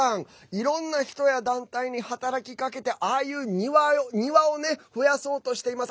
いろんな人や団体に働きかけてああいう庭を増やそうとしています。